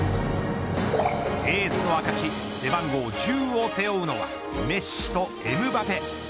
エースの証背番号１０を背負うのはメッシとエムバペ。